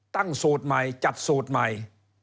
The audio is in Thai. สูตรใหม่จัดสูตรใหม่